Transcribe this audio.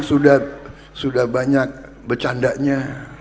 sekarang sudah banyak bercandanya